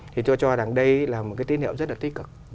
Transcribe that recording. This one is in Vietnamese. thì tôi cho rằng đây là một cái tín hiệu rất là tích cực